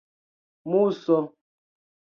muso